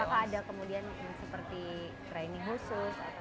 apakah ada kemudian seperti training khusus